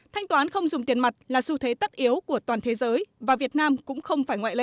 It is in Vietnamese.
thanh toán không dùng tiền mặt là xu thế tất yếu của toàn thế giới và việt nam cũng không phải ngoại lệ